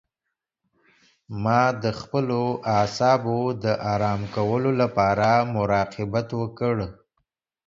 ما د خپلو اعصابو د آرام کولو لپاره مراقبت وکړ.